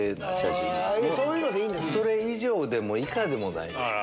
それ以上でも以下でもないです。